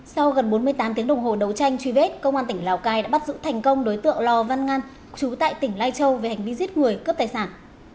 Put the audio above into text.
sau gần bốn mươi tám tiếng đồng hồ đấu tranh truy vết công an tỉnh lào cai đã bắt giữ thành công đối tượng lò văn ngan chú tại tỉnh lai châu về hành vi giết người cướp tài sản